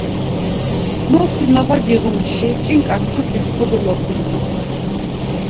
Nosi na var giğunşi ç̌inǩak kyupis kodologoxunams.